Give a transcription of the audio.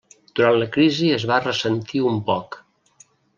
Durant la crisi es va ressentir un poc.